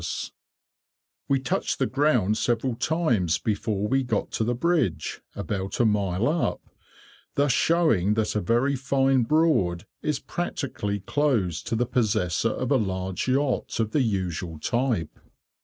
[Picture: Woodland Pool—Irstead] We touched the ground several times before we got to the bridge, about a mile up, thus showing that a very fine Broad is practically closed to the possessor of a large yacht of the usual type.